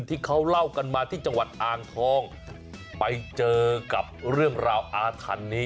ที่เขาเล่ากันมาที่จังหวัดอ่างทองไปเจอกับเรื่องราวอาถรรพ์นี้